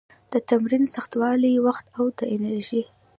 د تمرین سختوالي، وخت او د انرژي